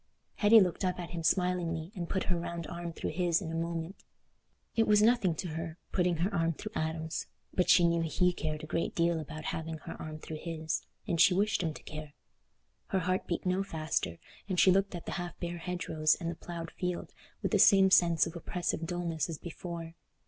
Hetty looked up at him smilingly and put her round arm through his in a moment. It was nothing to her, putting her arm through Adam's, but she knew he cared a great deal about having her arm through his, and she wished him to care. Her heart beat no faster, and she looked at the half bare hedgerows and the ploughed field with the same sense of oppressive dulness as before.